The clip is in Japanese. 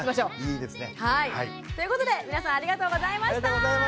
いいですね。ということで皆さんありがとうございました！さようなら！